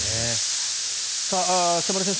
北村先生